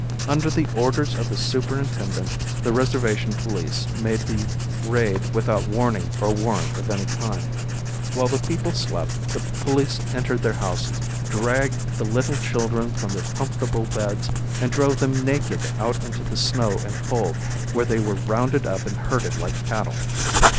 Under the orders of the superintendent the reservation police made the raid without warning or warrant of any kind. While the people slept, the police entered their houses, dragged the little children from their comfortable beds and drove them naked out into the snow and cold, where they were rounded up and herded like cattle.